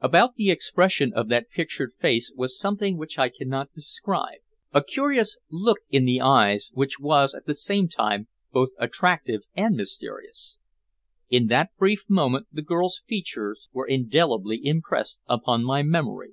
About the expression of that pictured face was something which I cannot describe a curious look in the eyes which was at the same time both attractive and mysterious. In that brief moment the girl's features were indelibly impressed upon my memory.